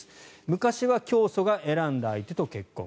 昔は教祖が選んだ相手と結婚。